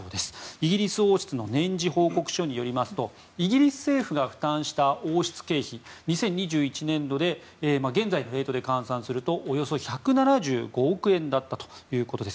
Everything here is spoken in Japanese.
イギリス王室の年次報告書によりますとイギリス政府が負担した王室経費、２０２１年度で現在のレートで換算するとおよそ１７５億円だったということです。